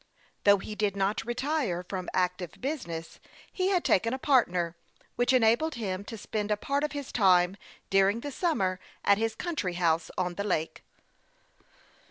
Though he did not retire from active business, he had taken a partner, which enabled him to spend a part of his time during the summer at his country house on. the lake.